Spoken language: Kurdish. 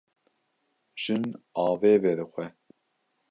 Jin avê vedixwe.